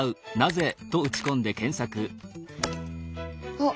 あっ